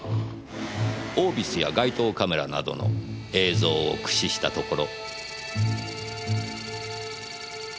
オービスや街頭カメラなどの映像を駆使したところ。